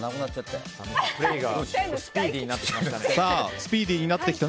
スピーディーになってきた。